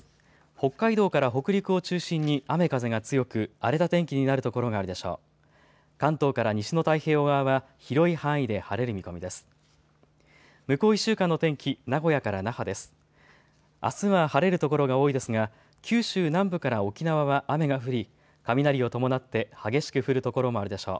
北海道から北陸を中心に雨風が強く荒れた天気になるところがあるでしょう。